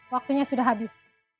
waktunya sudah habis